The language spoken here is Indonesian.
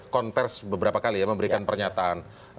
konversi beberapa kali ya memberikan pernyataan